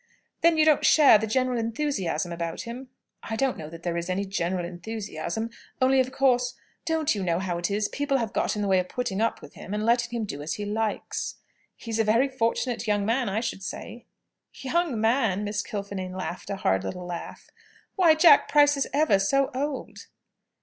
"Then you don't share the general enthusiasm about him?" "I don't know that there is any general enthusiasm. Only, of course don't you know how it is? people have got into the way of putting up with him, and letting him do as he likes." "He's a very fortunate young man, I should say." "Young man!" Miss Kilfinane laughed a hard little laugh. "Why Jack Price is ever so old!"